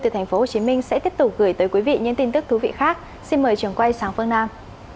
từ thành phố hồ chí minh sẽ tiếp tục gửi tới quý vị những tin tức thú vị khác xin mời trường quay sang phương nam